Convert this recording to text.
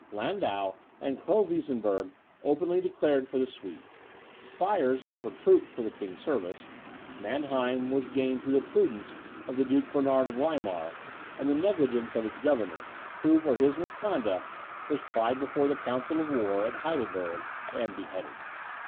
Landau and Kronweisenberg openly declared for the Swedes; Spires offered troops for the king's service; Manheim was gained through the prudence of the Duke Bernard of Weimar, and the negligence of its governor, who, for this misconduct, was tried before the council of war, at Heidelberg, and beheaded.